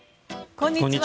こんにちは。